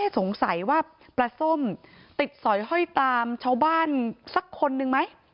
สงสัยว่าปลาส้มติดสอยห้อยตามชาวบ้านสักคนนึงไหม